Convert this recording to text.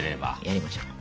やりましょう。